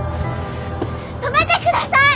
止めてください！